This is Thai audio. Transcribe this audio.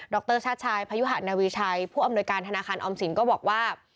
รชาติชายพยุหะนาวีชัยผู้อำนวยการธนาคารออมสินก็บอกว่า